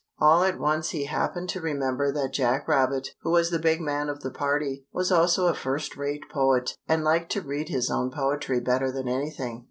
All at once he happened to remember that Jack Rabbit, who was the big man of the party, was also a first rate poet, and liked to read his own poetry better than anything.